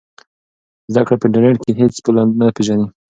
زده کړه په انټرنیټ کې هېڅ پوله نه پېژني.